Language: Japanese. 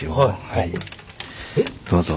どうぞ。